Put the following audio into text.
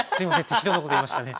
適当なこと言いましたね。